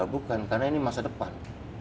bukan karena ini masa depan